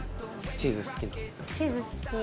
チーズ好き。